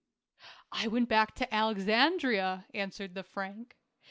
" I went back to Alexandria," answered the Frank.